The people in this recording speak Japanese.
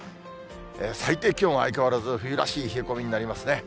最低気温は相変わらず冬らしい冷え込みになりますね。